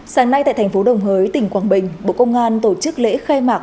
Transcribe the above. sáng nay tại thành phố đồng hới tỉnh quang bình bộ công an tổ chức lễ khai mạng